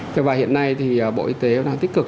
thế và hiện nay thì bộ y tế đang tích cực